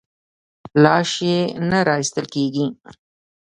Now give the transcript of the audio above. لاش یې نه راایستل کېږي.